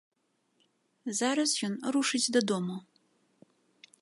Зараз ён рушыць дадому!